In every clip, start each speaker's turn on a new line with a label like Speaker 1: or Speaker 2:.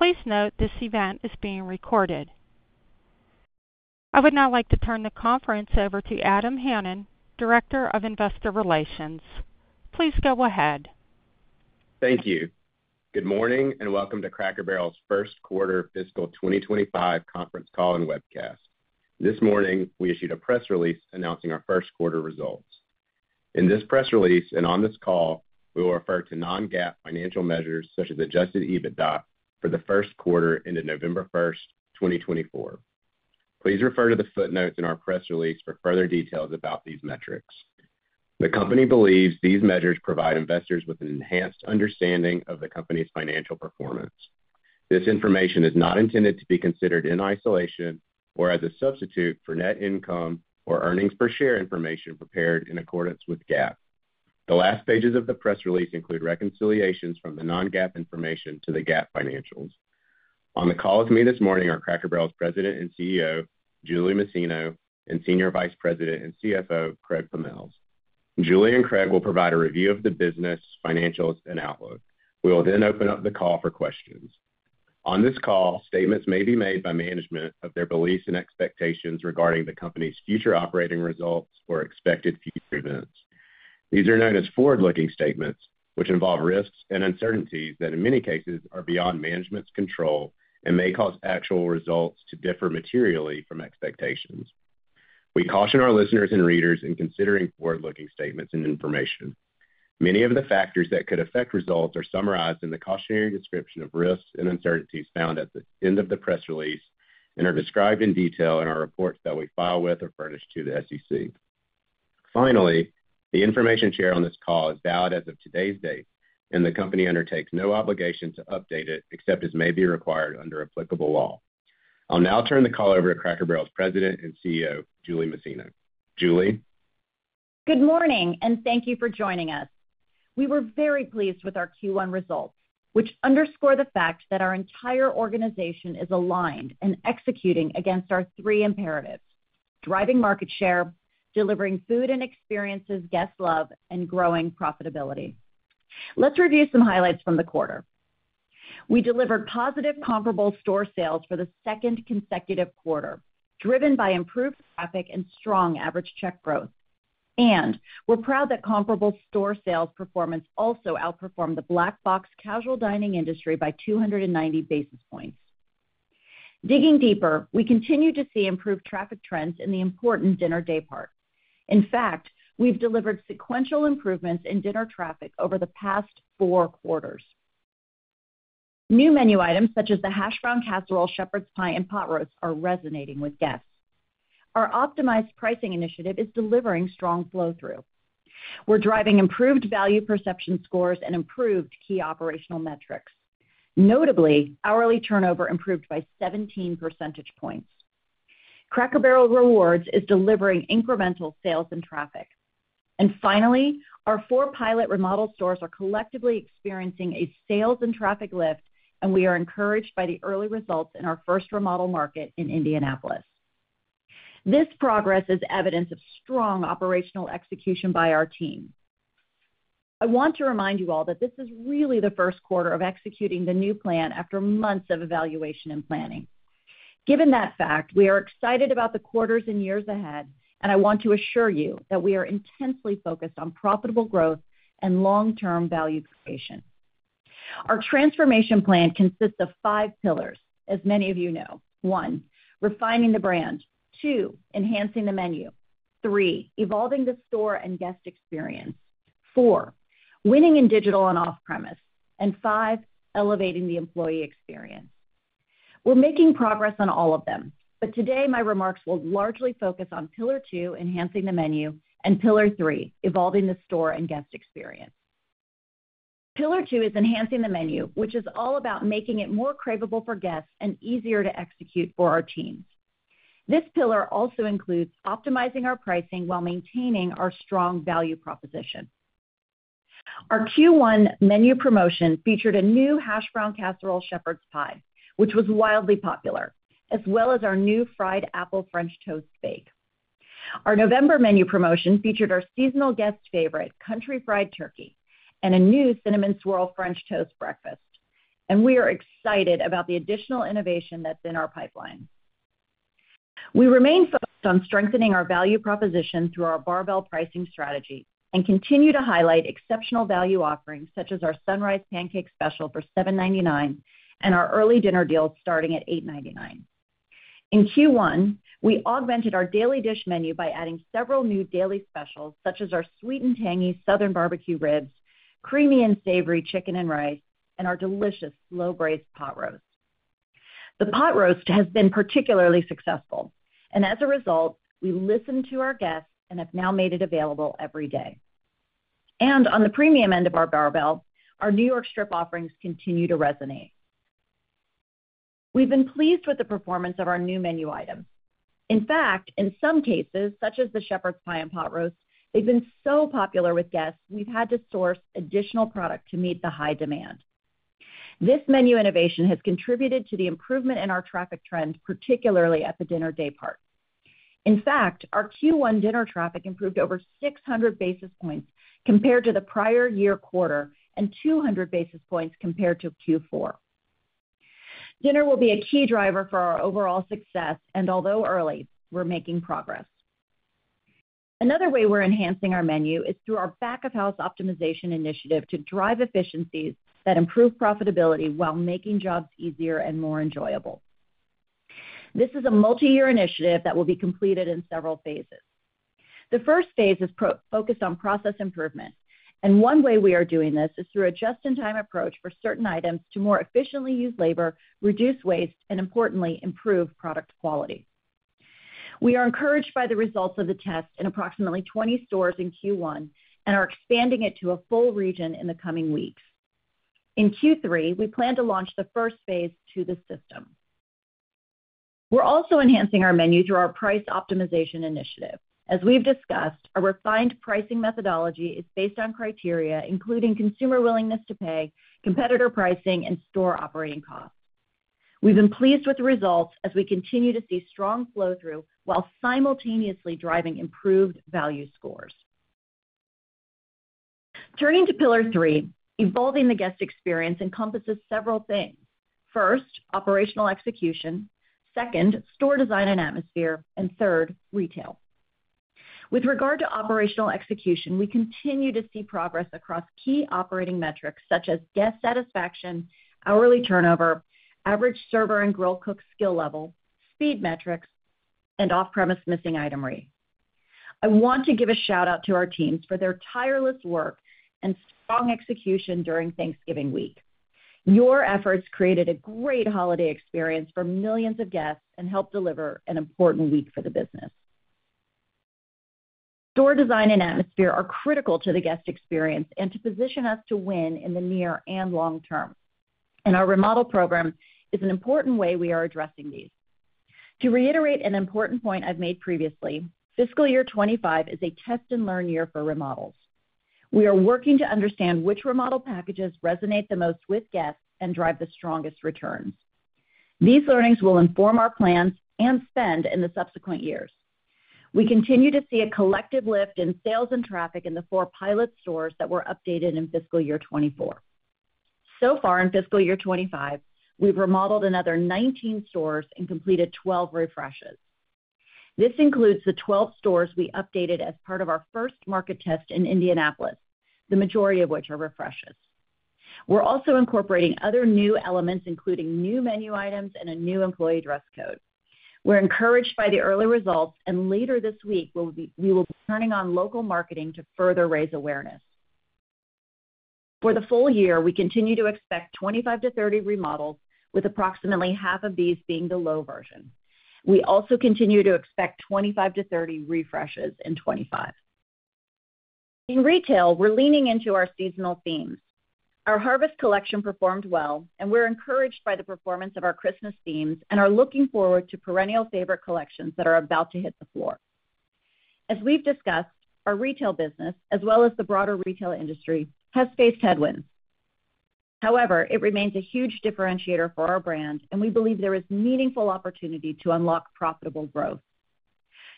Speaker 1: Please note this event is being recorded. I would now like to turn the conference over to Adam Hanan, Director of Investor Relations. Please go ahead.
Speaker 2: Thank you. Good morning and welcome to Cracker Barrel's first quarter fiscal 2025 conference call and webcast. This morning we issued a press release announcing our first quarter results. In this press release and on this call, we will refer to non-GAAP financial measures such as Adjusted EBITDA for the first quarter ended November 1st, 2024. Please refer to the footnotes in our press release for further details about these metrics. The company believes these measures provide investors with an enhanced understanding of the company's financial performance. This information is not intended to be considered in isolation or as a substitute for net income or earnings per share information prepared in accordance with GAAP. The last pages of the press release include reconciliations from the non-GAAP information to the GAAP financials. On the call with me this morning are Cracker Barrel's President and CEO, Julie Masino; and Senior Vice President and CFO, Craig Pommells. Julie and Craig will provide a review of the business, financials, and outlook. We will then open up the call for questions. On this call, statements may be made by management of their beliefs and expectations regarding the company's future operating results or expected future events. These are known as forward-looking statements, which involve risks and uncertainties that in many cases are beyond management's control and may cause actual results to differ materially from expectations. We caution our listeners and readers in considering forward-looking statements and information. Many of the factors that could affect results are summarized in the cautionary description of risks and uncertainties found at the end of the press release and are described in detail in our reports that we file with or furnish to the SEC. Finally, the information shared on this call is valid as of today's date, and the company undertakes no obligation to update it except as may be required under applicable law. I'll now turn the call over to Cracker Barrel's President and CEO, Julie Masino. Julie.
Speaker 3: Good morning and thank you for joining us. We were very pleased with our Q1 results, which underscore the fact that our entire organization is aligned and executing against our three imperatives: driving market share, delivering food and experiences guests love, and growing profitability. Let's review some highlights from the quarter. We delivered positive comparable store sales for the second consecutive quarter, driven by improved traffic and strong average check growth, and we're proud that comparable store sales performance also outperformed the Black Box casual dining industry by 290 basis points. Digging deeper, we continue to see improved traffic trends in the important dinner daypart. In fact, we've delivered sequential improvements in dinner traffic over the past four quarters. New menu items such as the Hashbrown Casserole, Shepherd's Pie, and Pot Roast are resonating with guests. Our optimized pricing initiative is delivering strong flow-through. We're driving improved value perception scores and improved key operational metrics. Notably, hourly turnover improved by 17 percentage points. Cracker Barrel Rewards is delivering incremental sales and traffic. And finally, our four pilot remodel stores are collectively experiencing a sales and traffic lift, and we are encouraged by the early results in our first remodel market in Indianapolis. This progress is evidence of strong operational execution by our team. I want to remind you all that this is really the first quarter of executing the new plan after months of evaluation and planning. Given that fact, we are excited about the quarters and years ahead, and I want to assure you that we are intensely focused on profitable growth and long-term value creation. Our transformation plan consists of five pillars, as many of you know: one, refining the brand, two, enhancing the menu, three, evolving the store and guest experience, four, winning in digital and off-premise, and five, elevating the employee experience. We're making progress on all of them, but today my remarks will largely focus on pillar two, enhancing the menu, and pillar three, evolving the store and guest experience. Pillar two is enhancing the menu, which is all about making it more craveable for guests and easier to execute for our teams. This pillar also includes optimizing our pricing while maintaining our strong value proposition. Our Q1 menu promotion featured a new Hashbrown Casserole Shepherd's Pie, which was wildly popular, as well as our new Fried Apple French Toast Bake. Our November menu promotion featured our seasonal guest favorite, Country Fried Turkey, and a new Cinnamon Swirl French Toast Breakfast. And we are excited about the additional innovation that's in our pipeline. We remain focused on strengthening our value proposition through our barbell pricing strategy and continue to highlight exceptional value offerings such as our Sunrise Pancake Special for $7.99 and our Early Dinner Deals starting at $8.99. In Q1, we augmented our daily dish menu by adding several new daily specials such as our Sweet and Tangy Southern Barbecue Ribs, Creamy and Savory Chicken and Rice, and our delicious Slow-Braised Pot Roast. The Pot Roast has been particularly successful, and as a result, we listen to our guests and have now made it available every day. And on the premium end of our barbell, our New York Strip offerings continue to resonate. We've been pleased with the performance of our new menu items. In fact, in some cases, such as the Shepherd's pie and Pot Roast, they've been so popular with guests we've had to source additional product to meet the high demand. This menu innovation has contributed to the improvement in our traffic trends, particularly at the dinner day part. In fact, our Q1 dinner traffic improved over 600 basis points compared to the prior year quarter and 200 basis points compared to Q4. Dinner will be a key driver for our overall success, and although early, we're making progress. Another way we're enhancing our menu is through our back-of-house optimization initiative to drive efficiencies that improve profitability while making jobs easier and more enjoyable. This is a multi-year initiative that will be completed in several phases. The first phase is focused on process improvement, and one way we are doing this is through a just-in-time approach for certain items to more efficiently use labor, reduce waste, and importantly, improve product quality. We are encouraged by the results of the test in approximately 20 stores in Q1 and are expanding it to a full region in the coming weeks. In Q3, we plan to launch the first phase to the system. We're also enhancing our menu through our price optimization initiative. As we've discussed, our refined pricing methodology is based on criteria including consumer willingness to pay, competitor pricing, and store operating costs. We've been pleased with the results as we continue to see strong flow-through while simultaneously driving improved value scores. Turning to pillar three, evolving the guest experience encompasses several things. First, operational execution. Second, store design and atmosphere. And third, retail. With regard to operational execution, we continue to see progress across key operating metrics such as guest satisfaction, hourly turnover, average server and grill cook skill level, speed metrics, and off-premise missing item rate. I want to give a shout-out to our teams for their tireless work and strong execution during Thanksgiving week. Your efforts created a great holiday experience for millions of guests and helped deliver an important week for the business. Store design and atmosphere are critical to the guest experience and to position us to win in the near and long term, and our remodel program is an important way we are addressing these. To reiterate an important point I've made previously, fiscal year 2025 is a test and learn year for remodels. We are working to understand which remodel packages resonate the most with guests and drive the strongest returns. These learnings will inform our plans and spend in the subsequent years. We continue to see a collective lift in sales and traffic in the four pilot stores that were updated in fiscal year 2024. So far in fiscal year 2025, we've remodeled another 19 stores and completed 12 refreshes. This includes the 12 stores we updated as part of our first market test in Indianapolis, the majority of which are refreshes. We're also incorporating other new elements, including new menu items and a new employee dress code. We're encouraged by the early results, and later this week, we will be turning on local marketing to further raise awareness. For the full year, we continue to expect 25-30 remodels, with approximately half of these being the low version. We also continue to expect 25-30 refreshes in 2025. In retail, we're leaning into our seasonal themes. Our Harvest Collection performed well, and we're encouraged by the performance of our Christmas themes and are looking forward to perennial favorite collections that are about to hit the floor. As we've discussed, our retail business, as well as the broader retail industry, has faced headwinds. However, it remains a huge differentiator for our brand, and we believe there is meaningful opportunity to unlock profitable growth.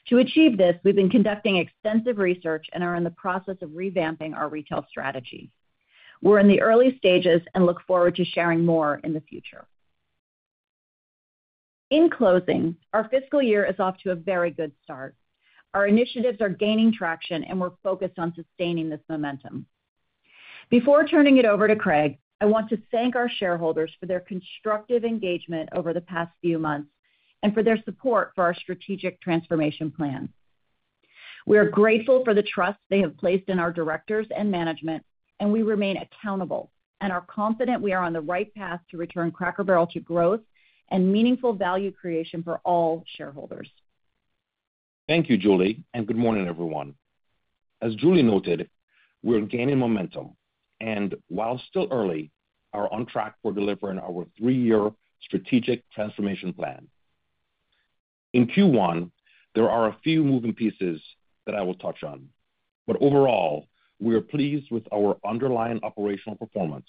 Speaker 3: To achieve this, we've been conducting extensive research and are in the process of revamping our retail strategy. We're in the early stages and look forward to sharing more in the future. In closing, our fiscal year is off to a very good start. Our initiatives are gaining traction, and we're focused on sustaining this momentum. Before turning it over to Craig, I want to thank our shareholders for their constructive engagement over the past few months and for their support for our strategic transformation plan. We are grateful for the trust they have placed in our directors and management, and we remain accountable and are confident we are on the right path to return Cracker Barrel to growth and meaningful value creation for all shareholders.
Speaker 4: Thank you, Julie, and good morning, everyone. As Julie noted, we're gaining momentum, and while still early, we are on track for delivering our three-year strategic transformation plan. In Q1, there are a few moving pieces that I will touch on, but overall, we are pleased with our underlying operational performance,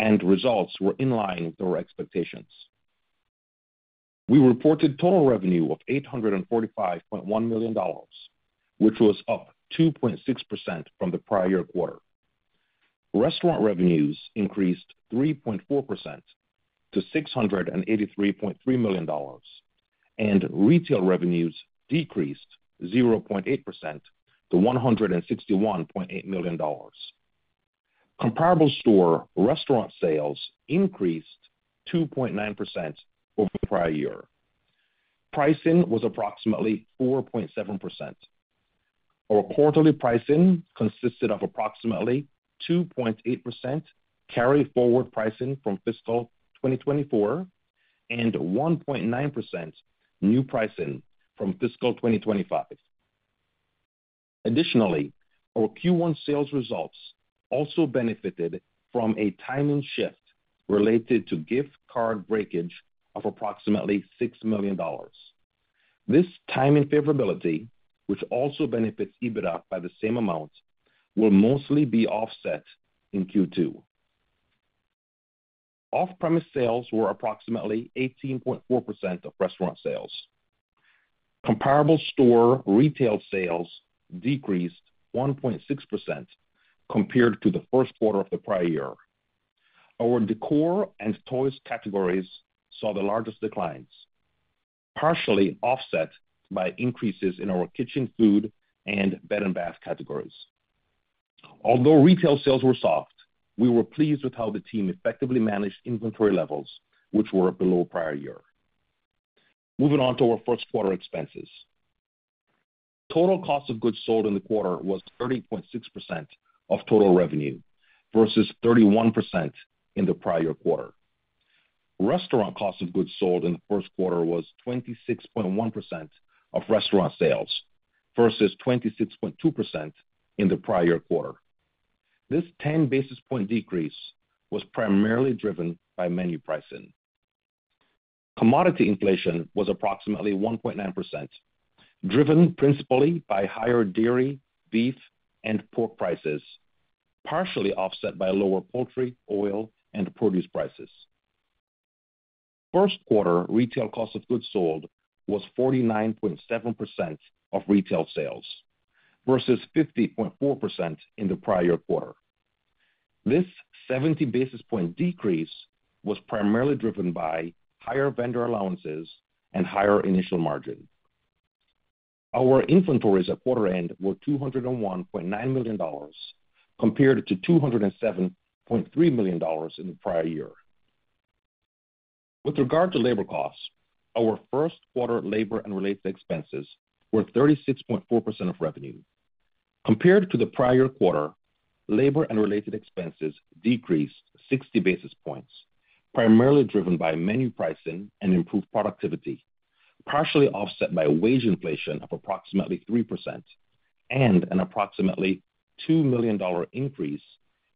Speaker 4: and results were in line with our expectations. We reported total revenue of $845.1 million, which was up 2.6% from the prior quarter. Restaurant revenues increased 3.4% to $683.3 million, and retail revenues decreased 0.8% to $161.8 million. Comparable store restaurant sales increased 2.9% over the prior year. Pricing was approximately 4.7%. Our quarterly pricing consisted of approximately 2.8% carry-forward pricing from fiscal 2024 and 1.9% new pricing from fiscal 2025. Additionally, our Q1 sales results also benefited from a timing shift related to gift card breakage of approximately $6 million. This timing favorability, which also benefits EBITDA by the same amount, will mostly be offset in Q2. Off-premise sales were approximately 18.4% of restaurant sales. Comparable store retail sales decreased 1.6% compared to the first quarter of the prior year. Our decor and toys categories saw the largest declines, partially offset by increases in our kitchen food and bed and bath categories. Although retail sales were soft, we were pleased with how the team effectively managed inventory levels, which were below prior year. Moving on to our first quarter expenses. Total cost of goods sold in the quarter was 30.6% of total revenue versus 31% in the prior quarter. Restaurant cost of goods sold in the first quarter was 26.1% of restaurant sales versus 26.2% in the prior quarter. This 10 basis point decrease was primarily driven by menu pricing. Commodity inflation was approximately 1.9%, driven principally by higher dairy, beef, and pork prices, partially offset by lower poultry, oil, and produce prices. First quarter retail cost of goods sold was 49.7% of retail sales versus 50.4% in the prior quarter. This 70 basis point decrease was primarily driven by higher vendor allowances and higher initial margin. Our inventories at quarter end were $201.9 million compared to $207.3 million in the prior year. With regard to labor costs, our first quarter labor and related expenses were 36.4% of revenue. Compared to the prior quarter, labor and related expenses decreased 60 basis points, primarily driven by menu pricing and improved productivity, partially offset by wage inflation of approximately 3% and an approximately $2 million increase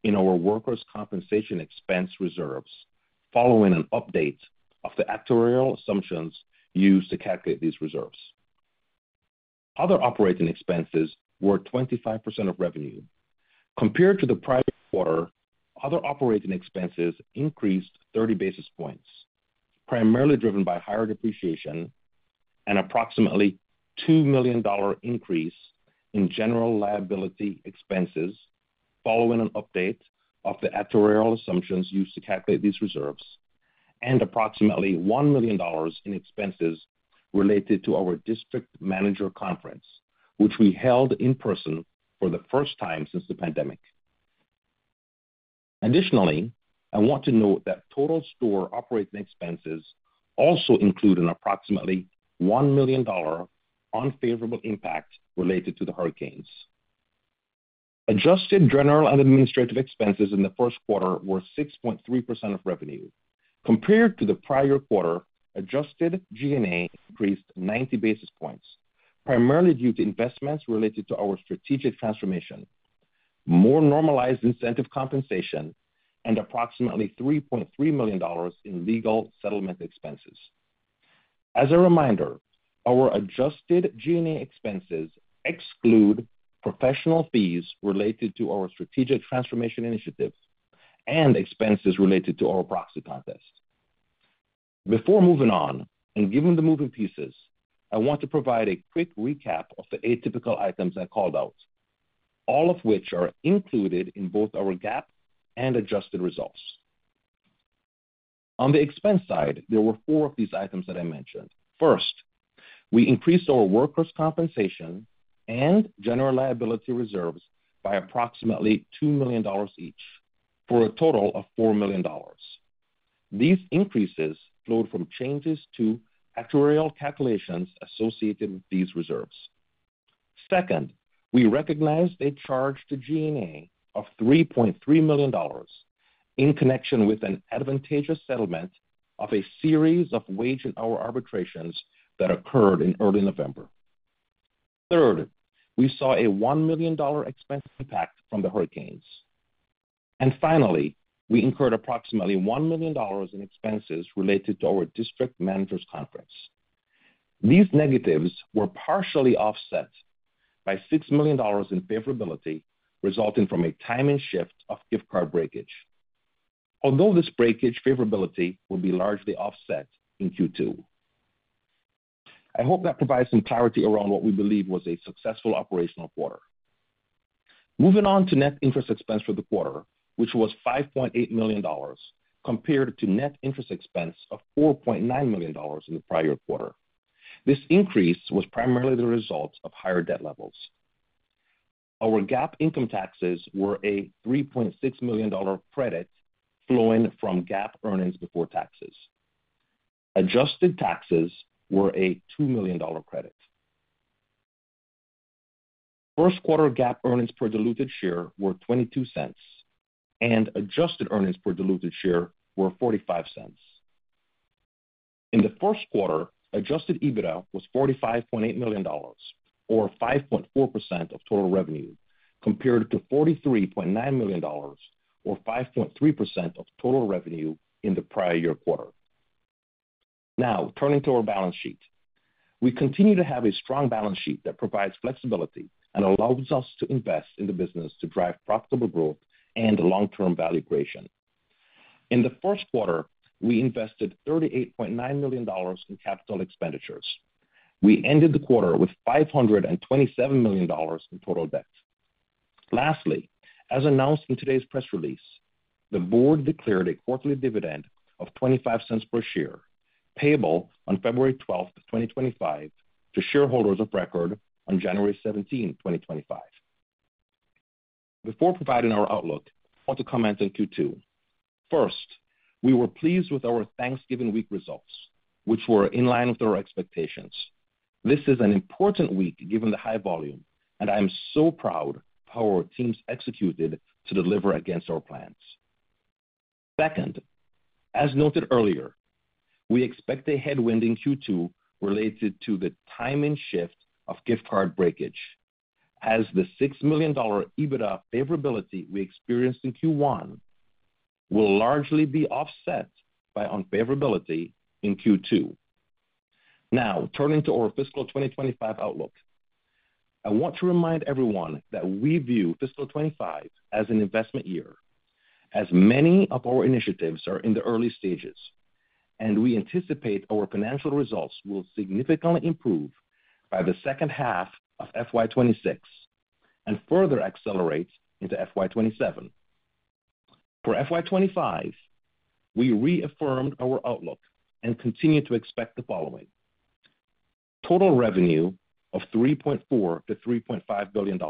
Speaker 4: in our workers' compensation expense reserves following an update of the actuarial assumptions used to calculate these reserves. Other operating expenses were 25% of revenue. Compared to the prior quarter, other operating expenses increased 30 basis points, primarily driven by higher depreciation and approximately $2 million increase in general liability expenses following an update of the actuarial assumptions used to calculate these reserves and approximately $1 million in expenses related to our district manager conference, which we held in person for the first time since the pandemic. Additionally, I want to note that total store operating expenses also include an approximately $1 million unfavorable impact related to the hurricanes. Adjusted General and Administrative Expenses in the first quarter were 6.3% of revenue. Compared to the prior quarter, adjusted G&A increased 90 basis points, primarily due to investments related to our strategic transformation, more normalized incentive compensation, and approximately $3.3 million in legal settlement expenses. As a reminder, our adjusted G&A expenses exclude professional fees related to our strategic transformation initiative and expenses related to our proxy contest. Before moving on and given the moving pieces, I want to provide a quick recap of the atypical items I called out, all of which are included in both our GAAP and adjusted results. On the expense side, there were four of these items that I mentioned. First, we increased our workers' compensation and general liability reserves by approximately $2 million each for a total of $4 million. These increases flowed from changes to actuarial calculations associated with these reserves. Second, we recognized a charge to G&A of $3.3 million in connection with an advantageous settlement of a series of wage and hour arbitrations that occurred in early November. Third, we saw a $1 million expense impact from the hurricanes. Finally, we incurred approximately $1 million in expenses related to our district managers' conference. These negatives were partially offset by $6 million in favorability resulting from a timing shift of gift card breakage, although this breakage favorability will be largely offset in Q2. I hope that provides some clarity around what we believe was a successful operational quarter. Moving on to net interest expense for the quarter, which was $5.8 million compared to net interest expense of $4.9 million in the prior quarter. This increase was primarily the result of higher debt levels. Our GAAP income taxes were a $3.6 million credit flowing from GAAP earnings before taxes. Adjusted taxes were a $2 million credit. First quarter GAAP earnings per diluted share were $0.22, and adjusted earnings per diluted share were $0.45. In the first quarter, Adjusted EBITDA was $45.8 million, or 5.4% of total revenue, compared to $43.9 million, or 5.3% of total revenue in the prior year quarter. Now, turning to our balance sheet, we continue to have a strong balance sheet that provides flexibility and allows us to invest in the business to drive profitable growth and long-term value creation. In the first quarter, we invested $38.9 million in capital expenditures. We ended the quarter with $527 million in total debt. Lastly, as announced in today's press release, the board declared a quarterly dividend of $0.25 per share payable on February 12th, 2025, to shareholders of record on January 17th, 2025. Before providing our outlook, I want to comment on Q2. First, we were pleased with our Thanksgiving week results, which were in line with our expectations. This is an important week given the high volume, and I am so proud of how our teams executed to deliver against our plans. Second, as noted earlier, we expect a headwind in Q2 related to the timing shift of gift card breakage, as the $6 million EBITDA favorability we experienced in Q1 will largely be offset by unfavorability in Q2. Now, turning to our fiscal 2025 outlook, I want to remind everyone that we view fiscal 2025 as an investment year, as many of our initiatives are in the early stages, and we anticipate our financial results will significantly improve by the second half of FY 2026 and further accelerate into FY 2027. For FY 2025, we reaffirmed our outlook and continue to expect the following: total revenue of $3.4 billion-$3.5 billion,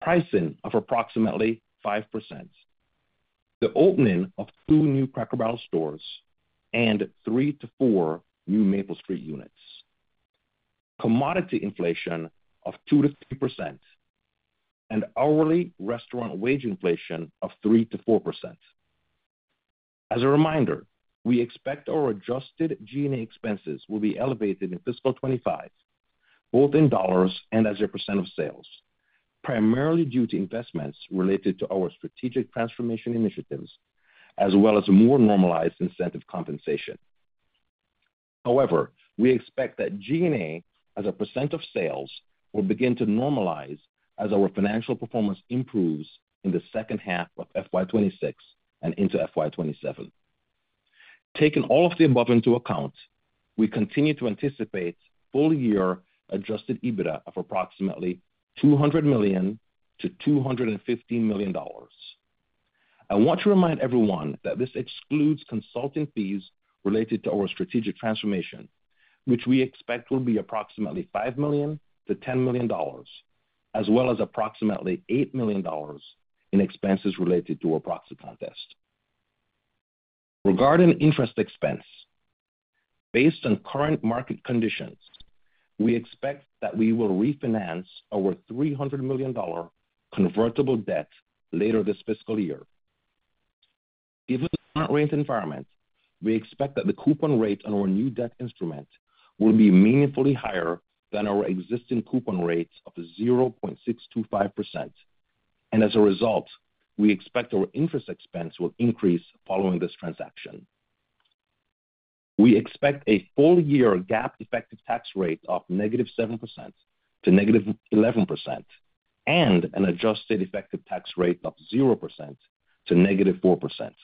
Speaker 4: pricing of approximately 5%, the opening of two new Cracker Barrel stores, and three to four new Maple Street units, commodity inflation of 2%-3%, and hourly restaurant wage inflation of 3%-4%. As a reminder, we expect our adjusted G&A expenses will be elevated in fiscal 2025, both in dollars and as a % of sales, primarily due to investments related to our strategic transformation initiatives, as well as more normalized incentive compensation. However, we expect that G&A as a % of sales will begin to normalize as our financial performance improves in the second half of FY 2026 and into FY 2027. Taking all of the above into account, we continue to anticipate full-year adjusted EBITDA of approximately $200 million-$215 million. I want to remind everyone that this excludes consulting fees related to our strategic transformation, which we expect will be approximately $5 million-$10 million, as well as approximately $8 million in expenses related to our proxy contest. Regarding interest expense, based on current market conditions, we expect that we will refinance our $300 million convertible debt later this fiscal year. Given the current rate environment, we expect that the coupon rate on our new debt instrument will be meaningfully higher than our existing coupon rate of 0.625%, and as a result, we expect our interest expense will increase following this transaction. We expect a full-year GAAP effective tax rate of -7% to -11% and an adjusted effective tax rate of 0% to -4%.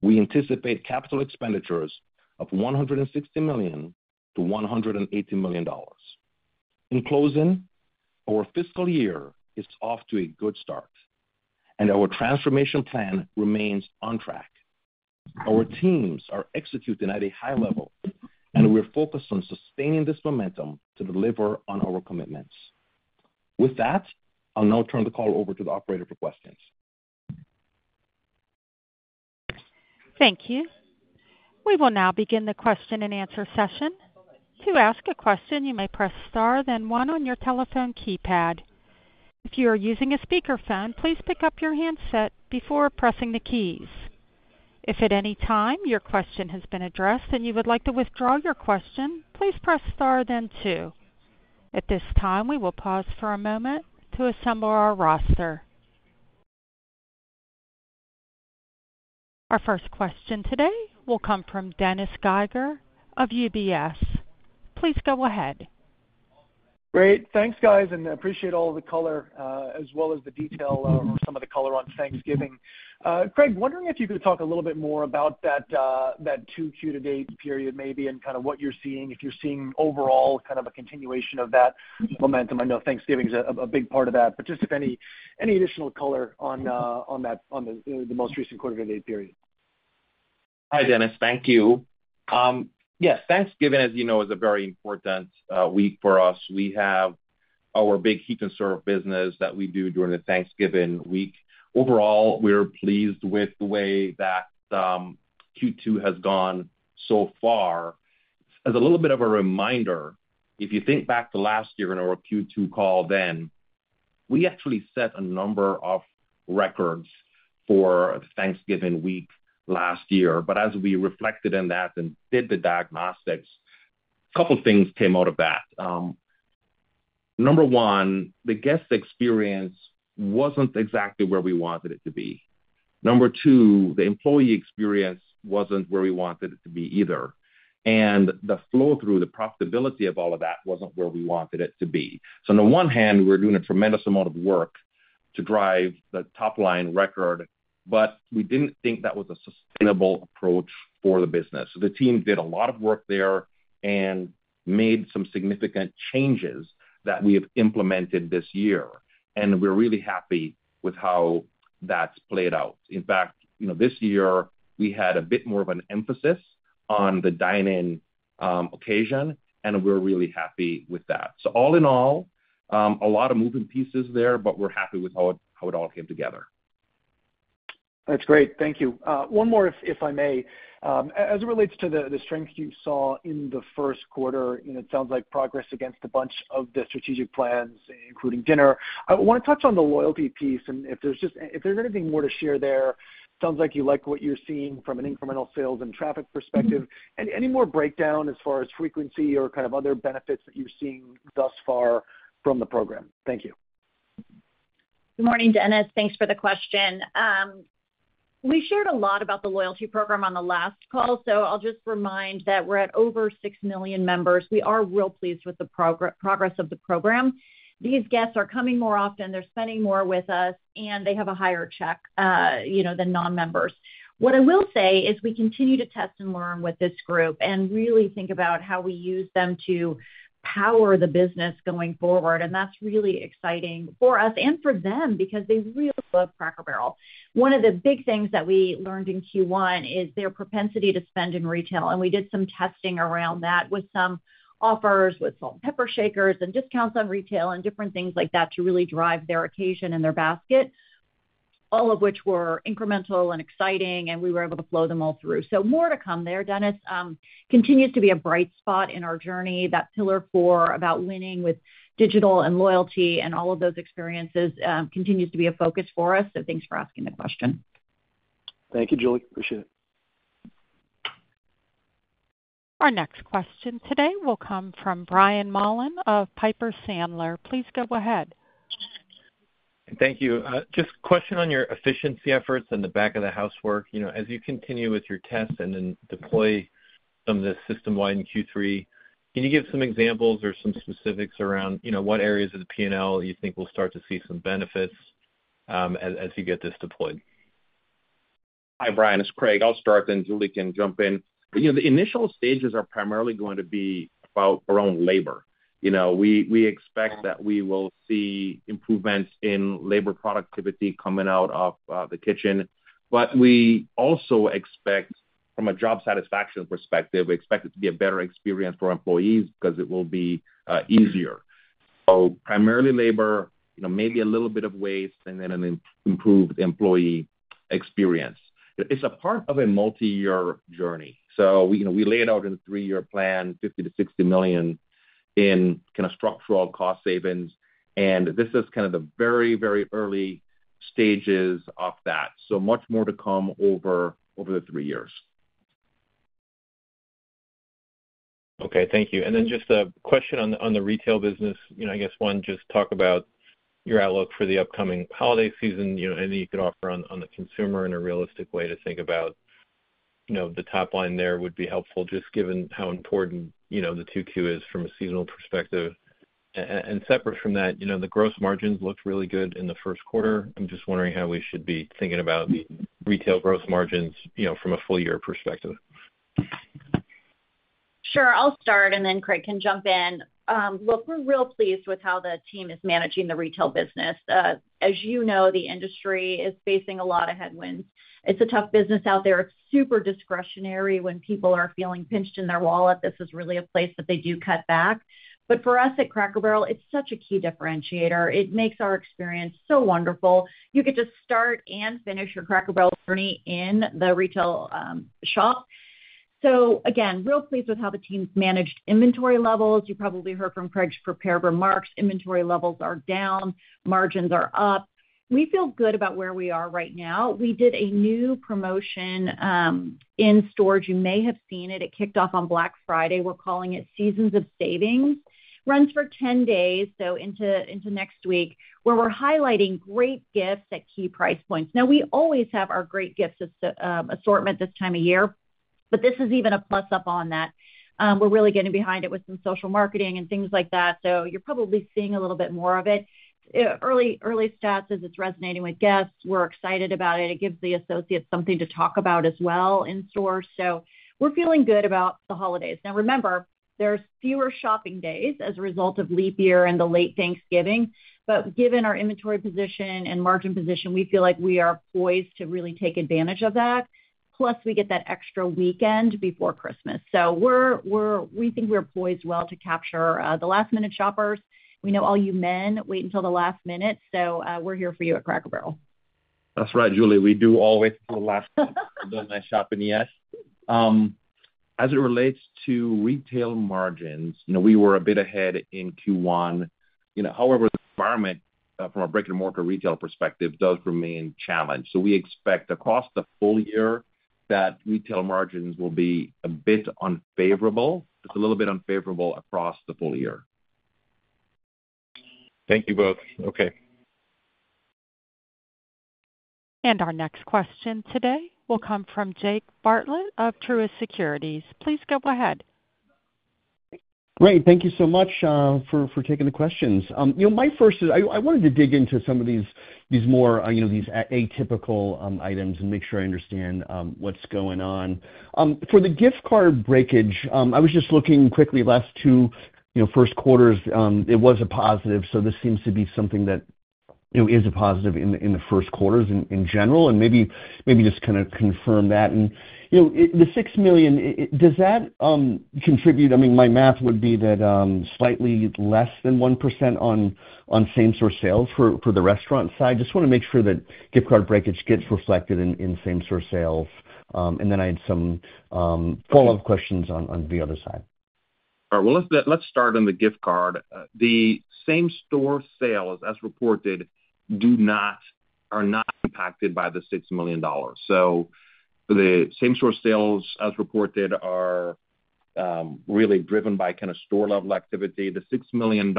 Speaker 4: We anticipate capital expenditures of $160 million-$180 million. In closing, our fiscal year is off to a good start, and our transformation plan remains on track. Our teams are executing at a high level, and we're focused on sustaining this momentum to deliver on our commitments. With that, I'll now turn the call over to the operator for questions.
Speaker 1: Thank you. We will now begin the question and answer session. To ask a question, you may press star, then one on your telephone keypad. If you are using a speakerphone, please pick up your handset before pressing the keys. If at any time your question has been addressed and you would like to withdraw your question, please press star, then two. At this time, we will pause for a moment to assemble our roster. Our first question today will come from Dennis Geiger of UBS. Please go ahead.
Speaker 5: Great. Thanks, guys, and appreciate all the color as well as the detail or some of the color on Thanksgiving. Craig, wondering if you could talk a little bit more about that 2Q to date period maybe and kind of what you're seeing, if you're seeing overall kind of a continuation of that momentum. I know Thanksgiving is a big part of that, but just if any additional color on the most recent quarter-to-date period.
Speaker 4: Hi, Dennis. Thank you. Yes, Thanksgiving, as you know, is a very important week for us. We have our big Heat n' Serve business that we do during the Thanksgiving week. Overall, we're pleased with the way that Q2 has gone so far. As a little bit of a reminder, if you think back to last year in our Q2 call, then we actually set a number of records for Thanksgiving week last year. But as we reflected on that and did the diagnostics, a couple of things came out of that. Number one, the guest experience wasn't exactly where we wanted it to be. Number two, the employee experience wasn't where we wanted it to be either. And the flow through, the profitability of all of that wasn't where we wanted it to be. So on the one hand, we're doing a tremendous amount of work to drive the top-line record, but we didn't think that was a sustainable approach for the business. The team did a lot of work there and made some significant changes that we have implemented this year. And we're really happy with how that's played out. In fact, this year, we had a bit more of an emphasis on the dine-in occasion, and we're really happy with that. So all in all, a lot of moving pieces there, but we're happy with how it all came together.
Speaker 5: That's great. Thank you. One more, if I may. As it relates to the strength you saw in the first quarter, it sounds like progress against a bunch of the strategic plans, including dinner. I want to touch on the loyalty piece and if there's anything more to share there. It sounds like you like what you're seeing from an incremental sales and traffic perspective. Any more breakdown as far as frequency or kind of other benefits that you're seeing thus far from the program? Thank you.
Speaker 3: Good morning, Dennis. Thanks for the question. We shared a lot about the loyalty program on the last call, so I'll just remind that we're at over 6 million members. We are real pleased with the progress of the program. These guests are coming more often. They're spending more with us, and they have a higher check than non-members. What I will say is we continue to test and learn with this group and really think about how we use them to power the business going forward, and that's really exciting for us and for them because they really love Cracker Barrel. One of the big things that we learned in Q1 is their propensity to spend in retail. And we did some testing around that with some offers with salt and pepper shakers and discounts on retail and different things like that to really drive their occasion and their basket, all of which were incremental and exciting, and we were able to flow them all through. So more to come there. Off-premise continues to be a bright spot in our journey. That pillar four about winning with digital and loyalty and all of those experiences continues to be a focus for us. So thanks for asking the question.
Speaker 5: Thank you, Julie. Appreciate it.
Speaker 1: Our next question today will come from Brian Mullan of Piper Sandler. Please go ahead.
Speaker 6: Thank you. Just a question on your efficiency efforts and the back-of-the-house work. As you continue with your tests and then deploy some of this system-wide in Q3, can you give some examples or some specifics around what areas of the P&L you think will start to see some benefits as you get this deployed?
Speaker 4: Hi, Brian. It's Craig. I'll start, then Julie can jump in. The initial stages are primarily going to be about our own labor. We expect that we will see improvements in labor productivity coming out of the kitchen. But we also expect, from a job satisfaction perspective, we expect it to be a better experience for employees because it will be easier. So primarily labor, maybe a little bit of waste, and then an improved employee experience. It's a part of a multi-year journey. So we laid out in the three-year plan $50 million-$60 million in kind of structural cost savings. And this is kind of the very, very early stages of that. So much more to come over the three years.
Speaker 6: Okay. Thank you. And then just a question on the retail business. I guess one, just talk about your outlook for the upcoming holiday season. Anything you could offer on the consumer in a realistic way to think about the top line there would be helpful, just given how important the 2Q is from a seasonal perspective. And separate from that, the gross margins looked really good in the first quarter. I'm just wondering how we should be thinking about the retail gross margins from a full-year perspective.
Speaker 3: Sure. I'll start, and then Craig can jump in. Look, we're real pleased with how the team is managing the retail business. As you know, the industry is facing a lot of headwinds. It's a tough business out there. It's super discretionary. When people are feeling pinched in their wallet, this is really a place that they do cut back. But for us at Cracker Barrel, it's such a key differentiator. It makes our experience so wonderful. You get to start and finish your Cracker Barrel journey in the retail shop. So again, real pleased with how the team's managed inventory levels. You probably heard from Craig's prepared remarks. Inventory levels are down. Margins are up. We feel good about where we are right now. We did a new promotion in-store. You may have seen it. It kicked off on Black Friday. We're calling it Seasons of Savings. Runs for 10 days, so into next week, where we're highlighting great gifts at key price points. Now, we always have our great gifts assortment this time of year, but this is even a plus up on that. We're really getting behind it with some social marketing and things like that. So you're probably seeing a little bit more of it. Early stats as it's resonating with guests. We're excited about it. It gives the associates something to talk about as well in store. So we're feeling good about the holidays. Now, remember, there's fewer shopping days as a result of leap year and the late Thanksgiving. But given our inventory position and margin position, we feel like we are poised to really take advantage of that. Plus, we get that extra weekend before Christmas. So we think we're poised well to capture the last-minute shoppers. We know all you men wait until the last minute, so we're here for you at Cracker Barrel.
Speaker 4: That's right, Julie. We all wait until the last minute to go in and shop in the end. As it relates to retail margins, we were a bit ahead in Q1. However, the environment from a brick-and-mortar retail perspective does remain challenged. So we expect across the full year that retail margins will be a bit unfavorable. It's a little bit unfavorable across the full year.
Speaker 6: Thank you both.
Speaker 4: Okay.
Speaker 1: And our next question today will come from Jake Bartlett of Truist Securities. Please go ahead.
Speaker 7: Great. Thank you so much for taking the questions. My first is I wanted to dig into some of these more atypical items and make sure I understand what's going on. For the gift card breakage, I was just looking quickly last two first quarters. It was a positive. So this seems to be something that is a positive in the first quarters in general. And maybe just kind of confirm that. And the $6 million, does that contribute? I mean, my math would be that slightly less than 1% on same-store sales for the restaurant side. Just want to make sure that gift card breakage gets reflected in same-store sales. And then I had some follow-up questions on the other side.
Speaker 4: All right. Well, let's start on the gift card. The same-store sales, as reported, are not impacted by the $6 million. So the same-store sales, as reported, are really driven by kind of store-level activity. The $6 million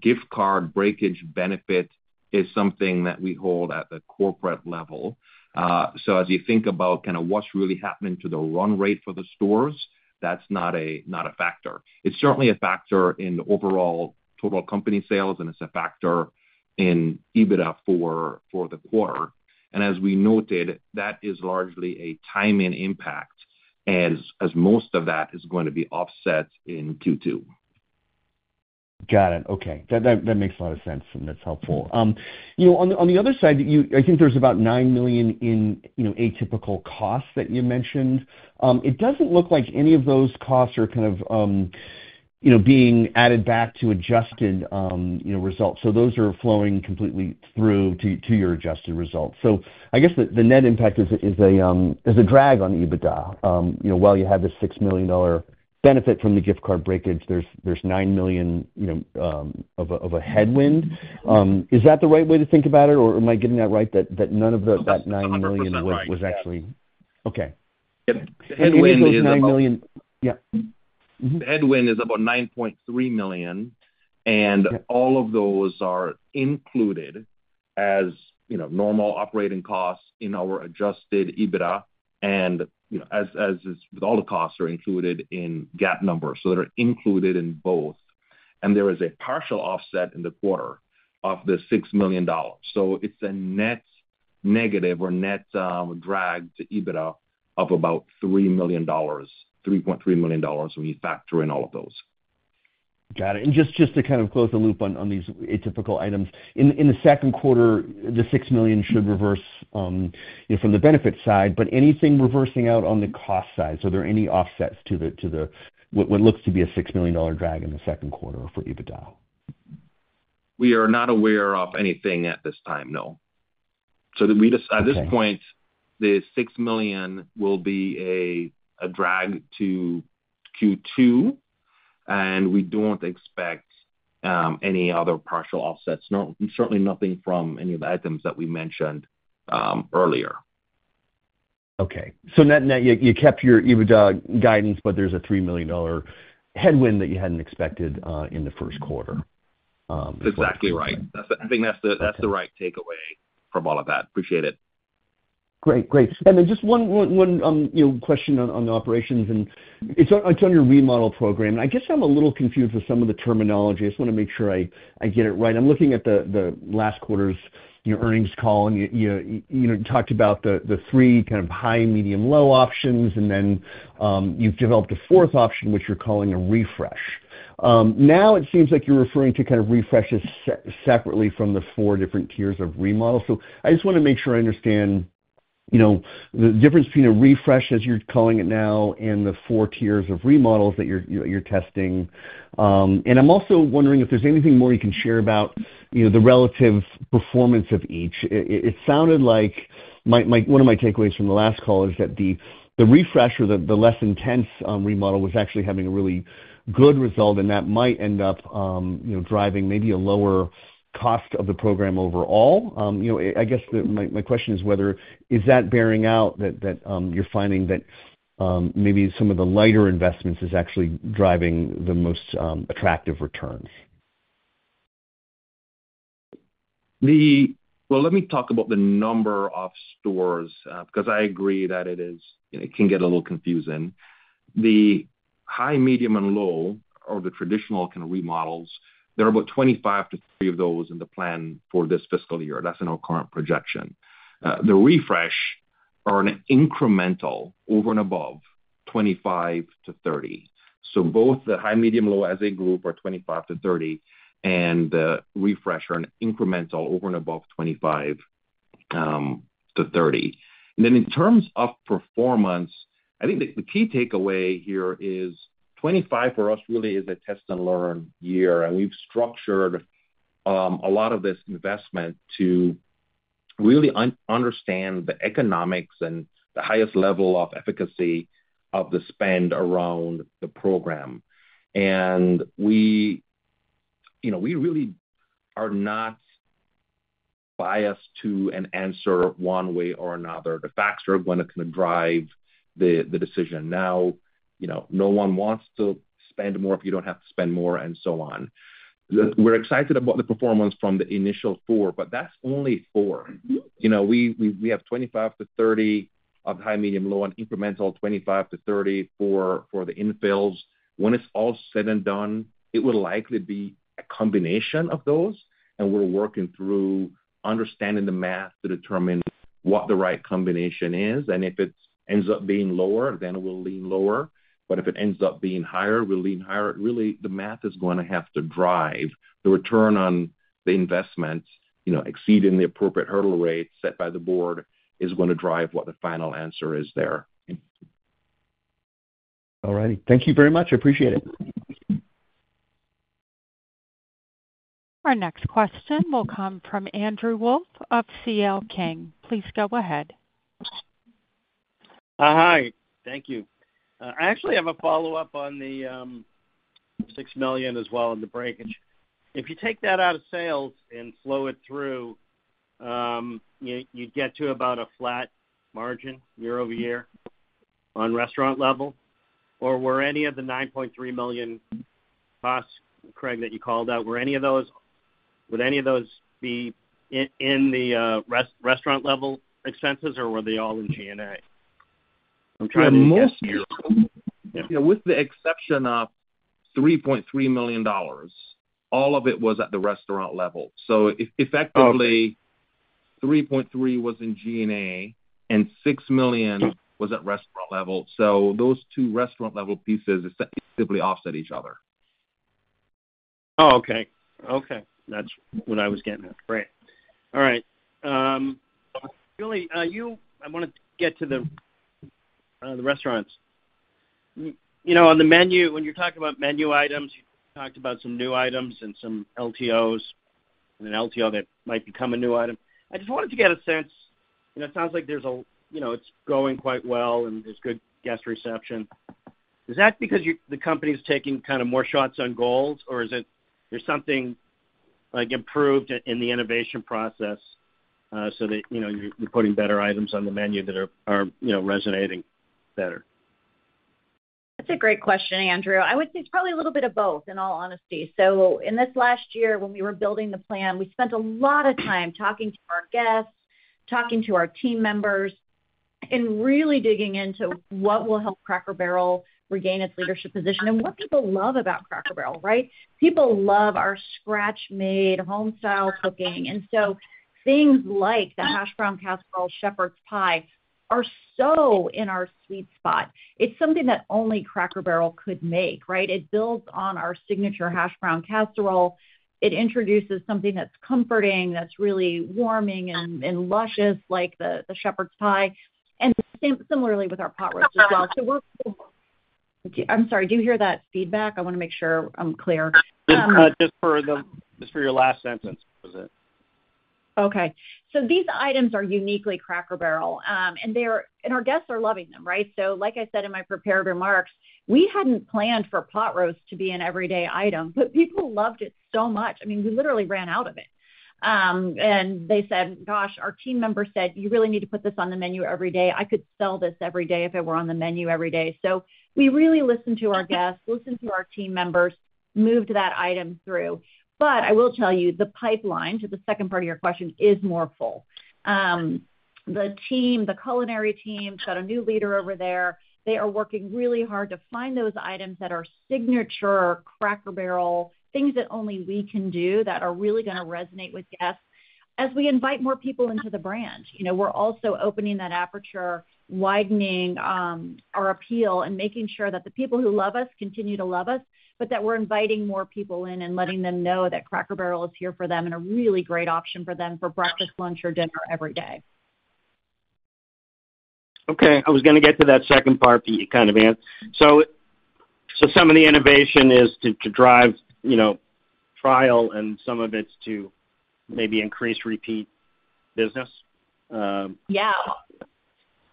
Speaker 4: gift card breakage benefit is something that we hold at the corporate level. So as you think about kind of what's really happening to the run rate for the stores, that's not a factor. It's certainly a factor in the overall total company sales, and it's a factor in EBITDA for the quarter, and as we noted, that is largely a time-in impact as most of that is going to be offset in Q2.
Speaker 7: Got it. Okay. That makes a lot of sense, and that's helpful. On the other side, I think there's about $9 million in atypical costs that you mentioned. It doesn't look like any of those costs are kind of being added back to adjusted results. So those are flowing completely through to your adjusted results. So I guess the net impact is a drag on EBITDA. While you have this $6 million benefit from the gift card breakage, there's $9 million of a headwind. Is that the right way to think about it? Or am I getting that right that none of that $9 million was actually?
Speaker 4: A 100% right.
Speaker 7: Okay.
Speaker 4: Yep. The headwind is about. The headwind is about $9.3 million, and all of those are included as normal operating costs in our Adjusted EBITDA and as all the costs are included in GAAP numbers, so they're included in both, and there is a partial offset in the quarter of the $6 million, so it's a net negative or net drag to EBITDA of about $3 million, $3.3 million when you factor in all of those.
Speaker 7: Got it. And just to kind of close the loop on these atypical items, in the second quarter, the $6 million should reverse from the benefit side. But anything reversing out on the cost side? So are there any offsets to what looks to be a $6 million drag in the second quarter for EBITDA?
Speaker 4: We are not aware of anything at this time, no. So at this point, the $6 million will be a drag to Q2, and we don't expect any other partial offsets. Certainly nothing from any of the items that we mentioned earlier.
Speaker 7: Okay. So you kept your EBITDA guidance, but there's a $3 million headwind that you hadn't expected in the first quarter.
Speaker 4: Exactly right. I think that's the right takeaway from all of that. Appreciate it.
Speaker 7: Great. Great, and then just one question on the operations, and it's on your remodel program. I guess I'm a little confused with some of the terminology. I just want to make sure I get it right. I'm looking at the last quarter's earnings call, and you talked about the three kind of high, medium, low options, and then you've developed a fourth option, which you're calling a refresh. Now, it seems like you're referring to kind of refreshes separately from the four different tiers of remodel, so I just want to make sure I understand the difference between a refresh, as you're calling it now, and the four tiers of remodels that you're testing, and I'm also wondering if there's anything more you can share about the relative performance of each. It sounded like one of my takeaways from the last call is that the refresh or the less intense remodel was actually having a really good result, and that might end up driving maybe a lower cost of the program overall. I guess my question is whether is that bearing out that you're finding that maybe some of the lighter investments is actually driving the most attractive returns?
Speaker 4: Well, let me talk about the number of stores because I agree that it can get a little confusing. The high, medium, and low are the traditional kind of Remodels. There are about 25-30 of those in the plan for this fiscal year. That's in our current projection. The Refresh are an incremental over and above 25-30. So both the high, medium, low as a group are 25-30, and the Refresh are an incremental over and above 25-30. And then in terms of performance, I think the key takeaway here is 25 for us really is a test and learn year. And we've structured a lot of this investment to really understand the economics and the highest level of efficacy of the spend around the program. And we really are not biased to an answer one way or another. The facts are going to kind of drive the decision. Now, no one wants to spend more if you don't have to spend more and so on. We're excited about the performance from the initial four, but that's only four. We have 25-30 of high, medium, low, and incremental 25-30 for the infills. When it's all said and done, it will likely be a combination of those. And we're working through understanding the math to determine what the right combination is. And if it ends up being lower, then we'll lean lower. But if it ends up being higher, we'll lean higher. Really, the math is going to have to drive. The return on the investment exceeding the appropriate hurdle rate set by the board is going to drive what the final answer is there.
Speaker 7: All righty. Thank you very much. Appreciate it.
Speaker 1: Our next question will come from Andrew Wolf of CL King. Please go ahead.
Speaker 8: Hi. Thank you. I actually have a follow-up on the $6 million as well in the breakage. If you take that out of sales and flow it through, you'd get to about a flat margin year-over-year on restaurant level. Or were any of the $9.3 million costs, Craig, that you called out, were any of those in the restaurant-level expenses, or were they all in G&A? I'm trying to make sure.
Speaker 4: With the exception of $3.3 million, all of it was at the restaurant level. So effectively, $3.3 million was in G&A, and $6 million was at restaurant level. So those two restaurant-level pieces simply offset each other.
Speaker 8: Oh, okay. Okay. That's what I was getting at. Great. All right. Julie, I want to get to the restaurants. On the menu, when you're talking about menu items, you talked about some new items and some LTOs and an LTO that might become a new item. I just wanted to get a sense. It sounds like it's going quite well, and there's good guest reception. Is that because the company is taking kind of more shots on goals, or is it there's something improved in the innovation process so that you're putting better items on the menu that are resonating better?
Speaker 3: That's a great question, Andrew. I would say it's probably a little bit of both, in all honesty. So in this last year, when we were building the plan, we spent a lot of time talking to our guests, talking to our team members, and really digging into what will help Cracker Barrel regain its leadership position and what people love about Cracker Barrel, right? People love our scratch-made homestyle cooking. And so things like the Hashbrown Casserole Shepherd's Pie are so in our sweet spot. It's something that only Cracker Barrel could make, right? It builds on our signature Hashbrown Casserole. It introduces something that's comforting, that's really warming and luscious like the Shepherd's Pie. And similarly with our Pot Roast as well. So we're. I'm sorry. Do you hear that feedback? I want to make sure I'm clear.
Speaker 8: Just for your last sentence, was it?
Speaker 3: Okay. So these items are uniquely Cracker Barrel, and our guests are loving them, right? So like I said in my prepared remarks, we hadn't planned for Pot Roast to be an everyday item, but people loved it so much. I mean, we literally ran out of it. And they said, "Gosh, our team member said, 'You really need to put this on the menu every day. I could sell this every day if it were on the menu every day.'" So we really listened to our guests, listened to our team members, moved that item through. But I will tell you, the pipeline to the second part of your question is more full. The culinary team got a new leader over there. They are working really hard to find those items that are signature Cracker Barrel, things that only we can do that are really going to resonate with guests as we invite more people into the brand. We're also opening that aperture, widening our appeal, and making sure that the people who love us continue to love us, but that we're inviting more people in and letting them know that Cracker Barrel is here for them and a really great option for them for breakfast, lunch, or dinner every day.
Speaker 8: Okay. I was going to get to that second part that you kind of answered. So some of the innovation is to drive trial, and some of it's to maybe increase repeat business?
Speaker 3: Yeah.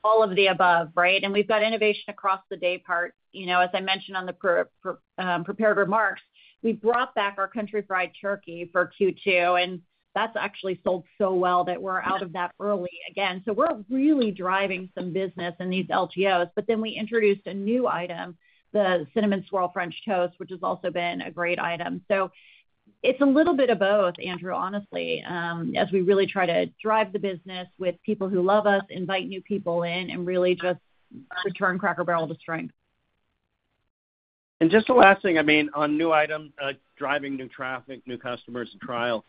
Speaker 3: All of the above, right? And we've got innovation across the day part. As I mentioned on the prepared remarks, we brought back our Country Fried Turkey for Q2, and that's actually sold so well that we're out of that early again. So we're really driving some business in these LTOs. But then we introduced a new item, the Cinnamon Swirl French Toast, which has also been a great item. So it's a little bit of both, Andrew, honestly, as we really try to drive the business with people who love us, invite new people in, and really just return Cracker Barrel to strength.
Speaker 8: And just the last thing, I mean, on new items, driving new traffic, new customers, and trial.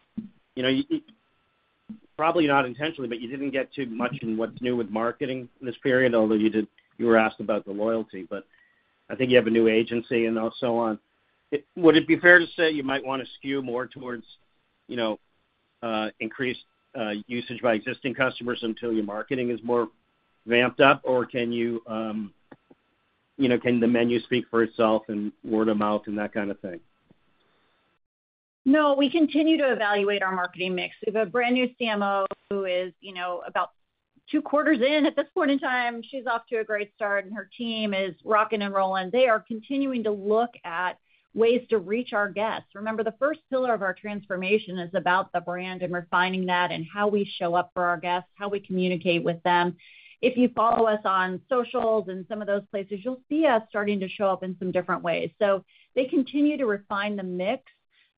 Speaker 8: Probably not intentionally, but you didn't get too much in what's new with marketing this period, although you were asked about the loyalty. But I think you have a new agency and so on. Would it be fair to say you might want to skew more towards increased usage by existing customers until your marketing is more ramped up? Or can the menu speak for itself and word of mouth and that kind of thing?
Speaker 3: No, we continue to evaluate our marketing mix. We have a brand new CMO who is about two quarters in. At this point in time, she's off to a great start, and her team is rocking and rolling. They are continuing to look at ways to reach our guests. Remember, the first pillar of our transformation is about the brand and refining that and how we show up for our guests, how we communicate with them. If you follow us on socials and some of those places, you'll see us starting to show up in some different ways. So they continue to refine the mix,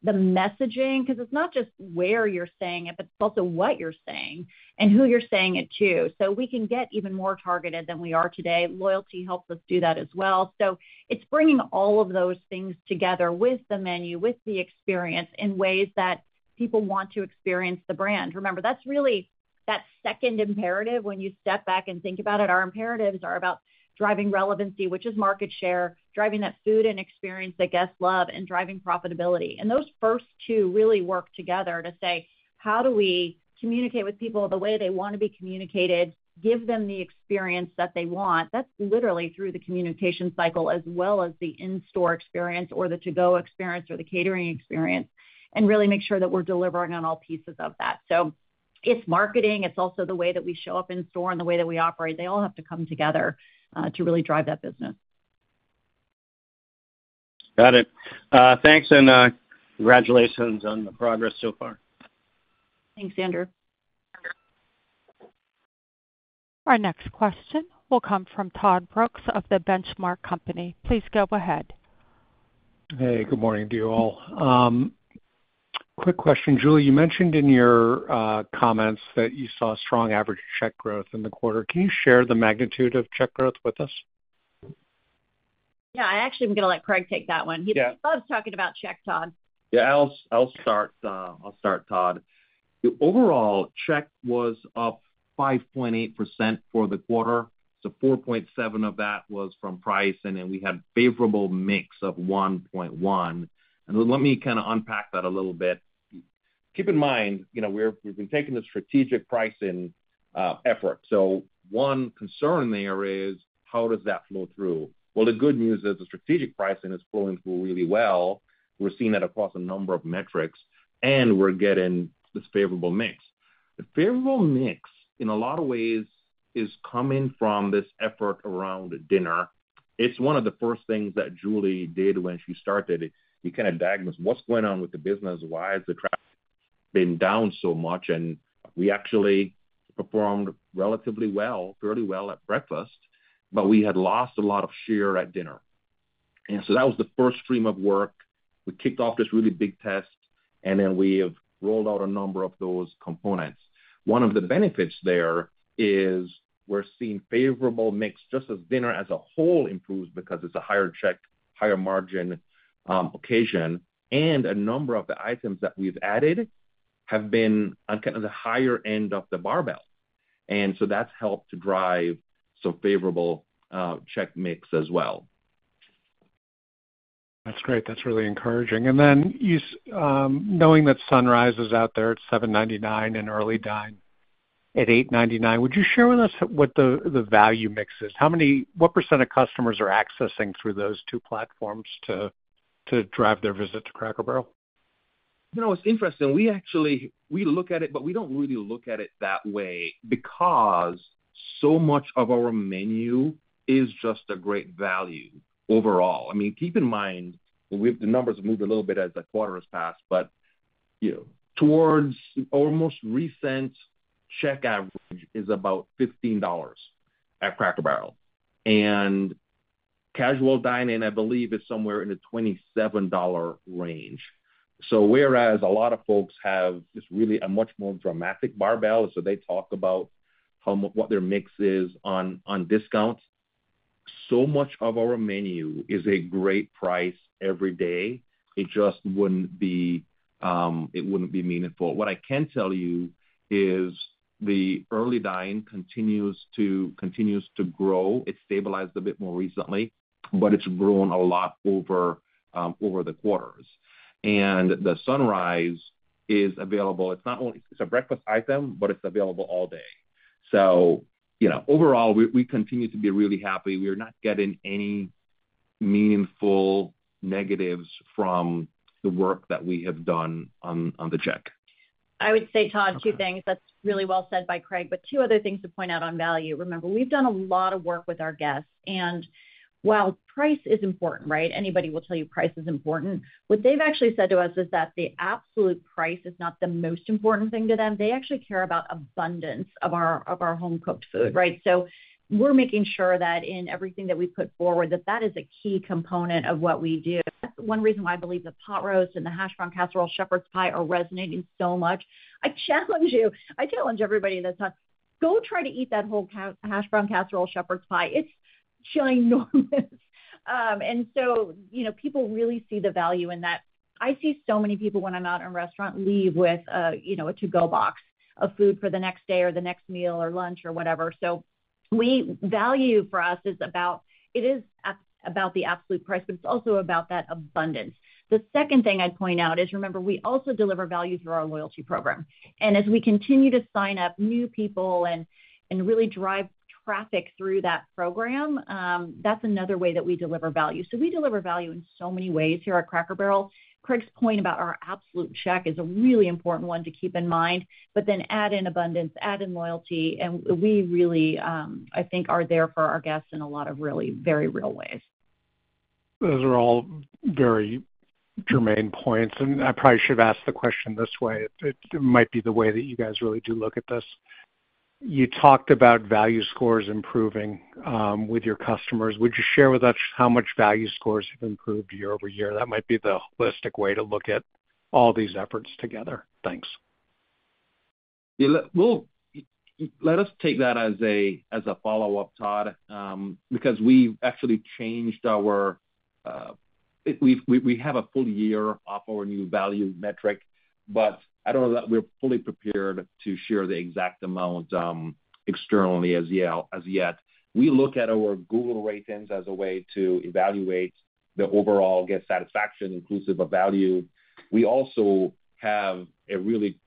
Speaker 3: the messaging, because it's not just where you're saying it, but it's also what you're saying and who you're saying it to. So we can get even more targeted than we are today. Loyalty helps us do that as well. So it's bringing all of those things together with the menu, with the experience in ways that people want to experience the brand. Remember, that's really that second imperative when you step back and think about it. Our imperatives are about driving relevancy, which is market share, driving that food and experience that guests love, and driving profitability. And those first two really work together to say, "How do we communicate with people the way they want to be communicated, give them the experience that they want?" That's literally through the communication cycle as well as the in-store experience or the to-go experience or the catering experience and really make sure that we're delivering on all pieces of that. So it's marketing. It's also the way that we show up in store and the way that we operate. They all have to come together to really drive that business.
Speaker 8: Got it. Thanks, and congratulations on the progress so far.
Speaker 3: Thanks, Andrew.
Speaker 1: Our next question will come from Todd Brooks of the Benchmark Company. Please go ahead.
Speaker 9: Hey, good morning to you all. Quick question. Julie, you mentioned in your comments that you saw strong average check growth in the quarter. Can you share the magnitude of check growth with us?
Speaker 3: Yeah. I actually am going to let Craig take that one. He loves talking about checks, Todd.
Speaker 4: Yeah. I'll start, Todd. Overall, check was up 5.8% for the quarter. So 4.7% of that was from pricing, and we had a favorable mix of 1.1%. And let me kind of unpack that a little bit. Keep in mind, we've been taking the strategic pricing effort. So one concern there is, how does that flow through? Well, the good news is the strategic pricing is flowing through really well. We're seeing that across a number of metrics, and we're getting this favorable mix. The favorable mix, in a lot of ways, is coming from this effort around dinner. It's one of the first things that Julie did when she started. You kind of diagnosed what's going on with the business. Why has the traffic been down so much? And we actually performed relatively well, fairly well at breakfast, but we had lost a lot of share at dinner. And so that was the first stream of work. We kicked off this really big test, and then we have rolled out a number of those components. One of the benefits there is we're seeing favorable mix just as dinner as a whole improves because it's a higher check, higher margin occasion. And a number of the items that we've added have been on kind of the higher end of the barbell. And so that's helped to drive some favorable check mix as well.
Speaker 9: That's great. That's really encouraging. And then knowing that Sunrise is out there at $7.99 and Early Dine at $8.99, would you share with us what the value mix is? What % of customers are accessing through those two platforms to drive their visit to Cracker Barrel?
Speaker 4: It's interesting. We look at it, but we don't really look at it that way because so much of our menu is just a great value overall. I mean, keep in mind, the numbers have moved a little bit as the quarter has passed, but towards almost recent, check average is about $15 at Cracker Barrel. And casual dining, I believe, is somewhere in the $27 range. So whereas a lot of folks have just really a much more dramatic barbell, so they talk about what their mix is on discounts, so much of our menu is a great price every day. It just wouldn't be meaningful. What I can tell you is the Early Dine continues to grow. It stabilized a bit more recently, but it's grown a lot over the quarters. And the Sunrise is available. It's a breakfast item, but it's available all day. So overall, we continue to be really happy. We are not getting any meaningful negatives from the work that we have done on the check.
Speaker 3: I would say, Todd, two things. That's really well said by Craig, but two other things to point out on value. Remember, we've done a lot of work with our guests, and while price is important, right? Anybody will tell you price is important. What they've actually said to us is that the absolute price is not the most important thing to them. They actually care about abundance of our home-cooked food, right? So we're making sure that in everything that we put forward, that that is a key component of what we do. That's one reason why I believe the Pot Roast and the Hashbrown Casserole Shepherd's Pie are resonating so much. I challenge you. I challenge everybody in this house. Go try to eat that whole Hashbrown Casserole Shepherd's Pie. It's ginormous, and so people really see the value in that. I see so many people when I'm out in a restaurant leave with a to-go box of food for the next day or the next meal or lunch or whatever. So value for us is about the absolute price, but it's also about that abundance. The second thing I'd point out is, remember, we also deliver value through our loyalty program. And as we continue to sign up new people and really drive traffic through that program, that's another way that we deliver value. So we deliver value in so many ways here at Cracker Barrel. Craig's point about our absolute check is a really important one to keep in mind, but then add in abundance, add in loyalty, and we really, I think, are there for our guests in a lot of really very real ways.
Speaker 9: Those are all very germane points, and I probably should have asked the question this way. It might be the way that you guys really do look at this. You talked about value scores improving with your customers. Would you share with us how much value scores have improved year-over-year? That might be the holistic way to look at all these efforts together. Thanks.
Speaker 4: Let us take that as a follow-up, Todd, because we've actually changed our view. We have a full year of our new value metric, but I don't know that we're fully prepared to share the exact amount externally as yet. We look at our Google ratings as a way to evaluate the overall guest satisfaction inclusive of value. We also have a really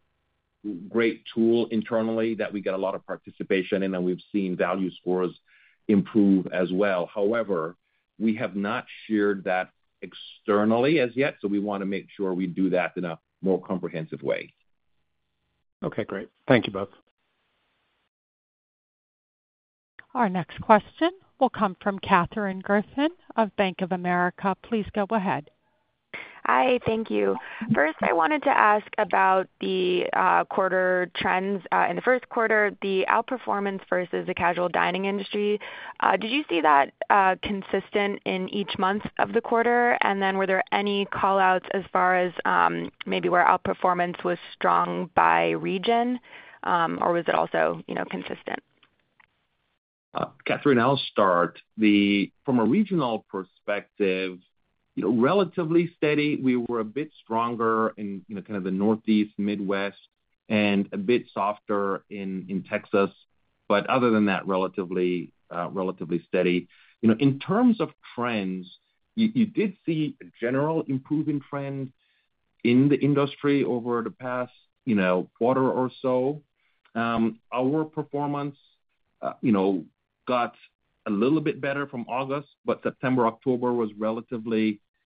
Speaker 4: great tool internally that we get a lot of participation in, and we've seen value scores improve as well. However, we have not shared that externally as yet, so we want to make sure we do that in a more comprehensive way.
Speaker 9: Okay. Great. Thank you both.
Speaker 1: Our next question will come from Katherine Griffin of Bank of America. Please go ahead.
Speaker 10: Hi. Thank you. First, I wanted to ask about the quarter trends. In the first quarter, the outperformance versus the casual dining industry, did you see that consistent in each month of the quarter? And then were there any callouts as far as maybe where outperformance was strong by region, or was it also consistent?
Speaker 4: Katherine, I'll start. From a regional perspective, relatively steady. We were a bit stronger in kind of the Northeast, Midwest, and a bit softer in Texas, but other than that, relatively steady. In terms of trends, you did see a general improving trend in the industry over the past quarter or so.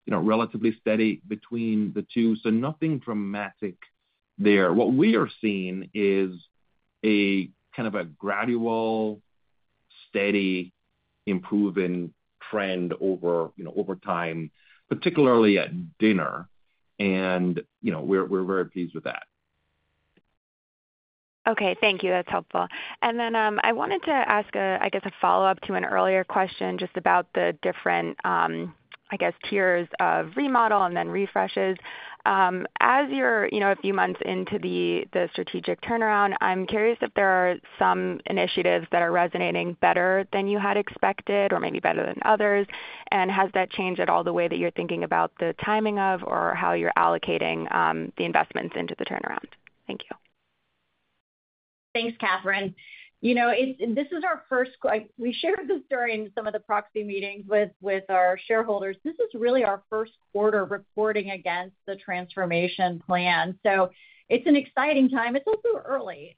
Speaker 4: Our performance got a little bit better from August, but September, October was relatively steady between the two, so nothing dramatic there. What we are seeing is a kind of a gradual, steady, improving trend over time, particularly at dinner, and we're very pleased with that.
Speaker 10: Okay. Thank you. That's helpful. And then I wanted to ask, I guess, a follow-up to an earlier question just about the different, I guess, tiers of remodel and then refreshes. As you're a few months into the strategic turnaround, I'm curious if there are some initiatives that are resonating better than you had expected or maybe better than others. And has that changed at all the way that you're thinking about the timing of or how you're allocating the investments into the turnaround? Thank you.
Speaker 3: Thanks, Katherine. This is our first. We shared this during some of the proxy meetings with our shareholders. This is really our first quarter reporting against the transformation plan. So it's an exciting time. It's also early.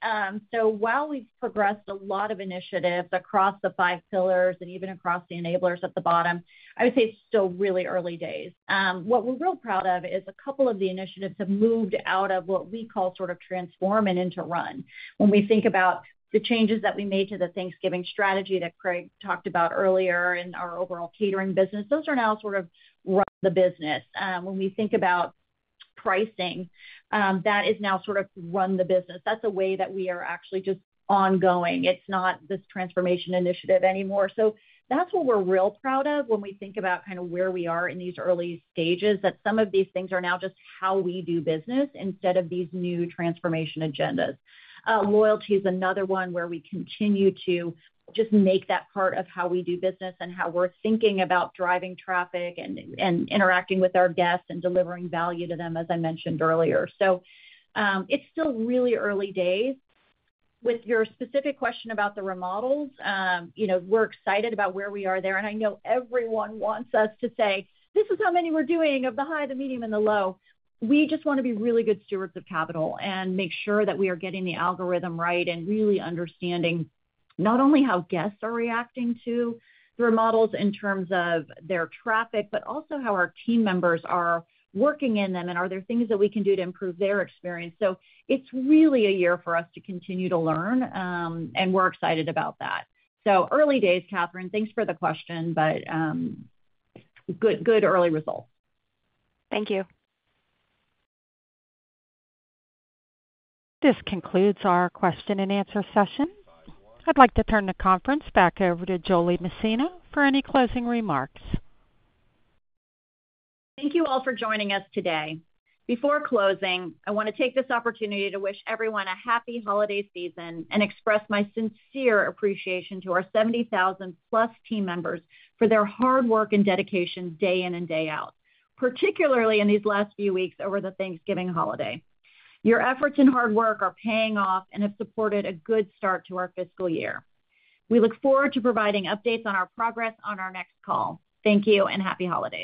Speaker 3: So while we've progressed a lot of initiatives across the five pillars and even across the enablers at the bottom, I would say it's still really early days. What we're real proud of is a couple of the initiatives have moved out of what we call sort of transform and into run. When we think about the changes that we made to the Thanksgiving strategy that Craig talked about earlier in our overall catering business, those are now sort of run the business. When we think about pricing, that is now sort of run the business. That's a way that we are actually just ongoing. It's not this transformation initiative anymore. So that's what we're real proud of when we think about kind of where we are in these early stages, that some of these things are now just how we do business instead of these new transformation agendas. Loyalty is another one where we continue to just make that part of how we do business and how we're thinking about driving traffic and interacting with our guests and delivering value to them, as I mentioned earlier. So it's still really early days. With your specific question about the remodels, we're excited about where we are there. And I know everyone wants us to say, "This is how many we're doing of the high, the medium, and the low." We just want to be really good stewards of capital and make sure that we are getting the algorithm right and really understanding not only how guests are reacting to the remodels in terms of their traffic, but also how our team members are working in them and are there things that we can do to improve their experience. So it's really a year for us to continue to learn, and we're excited about that. So early days, Katherine. Thanks for the question, but good early results.
Speaker 10: Thank you.
Speaker 1: This concludes our question and answer session. I'd like to turn the conference back over to Julie Masino for any closing remarks.
Speaker 3: Thank you all for joining us today. Before closing, I want to take this opportunity to wish everyone a happy holiday season and express my sincere appreciation to our 70,000+ team members for their hard work and dedication day in and day out, particularly in these last few weeks over the Thanksgiving holiday. Your efforts and hard work are paying off and have supported a good start to our fiscal year. We look forward to providing updates on our progress on our next call. Thank you and happy holidays.